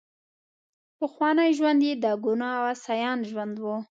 پخوانی ژوند یې د ګناه او عصیان ژوند وو.